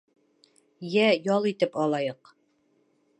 Йә, ял итеп алайыҡ.